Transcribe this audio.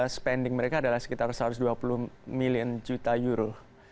spending mereka adalah sekitar satu ratus dua puluh miliar juta euro